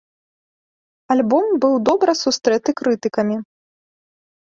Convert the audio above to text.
Альбом быў добра сустрэты крытыкамі.